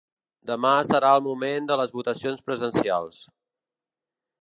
Demà serà el moment de les votacions presencials.